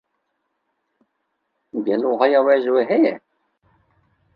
Gelo haya we ji we heye?